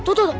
tuh tuh tuh